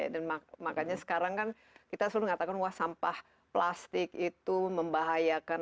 dan makanya sekarang kan kita selalu mengatakan wah sampah plastik itu membahayakan